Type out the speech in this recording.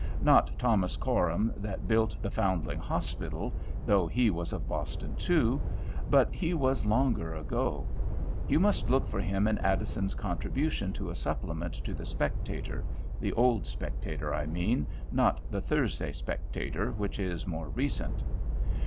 Not Thomas Coram that built the Foundling Hospital, though he was of Boston too; but he was longer ago. You must look for him in Addison's contribution to a supplement to the Spectator, the old Spectator, I mean, not the Thursday Spectator, which is more recent.